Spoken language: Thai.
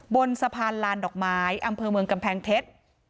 บนสะพานลานดอกไม้อำเภอเมืองกำแพงเพชร